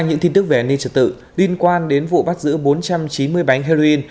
với những tin tức về nên trật tự liên quan đến vụ bắt giữ bốn trăm chín mươi bánh heroin